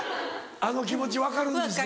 あの気持ち分かるんですか。